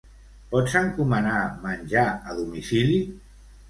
Pots encomanar menjar a domicili?